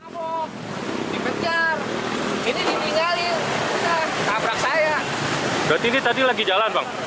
berarti ini tadi lagi jalan bang